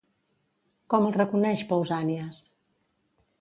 Com el reconeix, Pausànies?